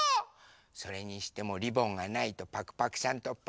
それにしてもリボンがないとパクパクさんとパクこさん